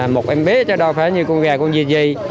một em bé cho đoán phải như con gà con gì gì